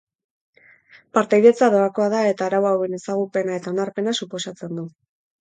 Partaidetza doakoa da eta arau hauen ezagupena eta onarpena suposatzen du.